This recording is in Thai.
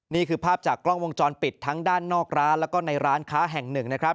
นี่คือภาพจากกล้องวงจรปิดทั้งด้านนอกร้านแล้วก็ในร้านค้าแห่งหนึ่งนะครับ